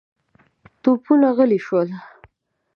توپونه غلي شول.